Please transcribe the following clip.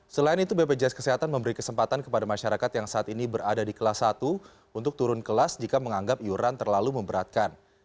selain itu bpjs kesehatan memberi kesempatan kepada masyarakat yang saat ini berada di kelas satu untuk turun kelas jika menganggap iuran terlalu memberatkan